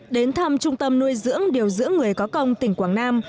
đến thăm trung tâm nuôi dưỡng điều dưỡng người có công tỉnh quảng nam